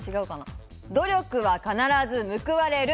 努力は必ず報われる。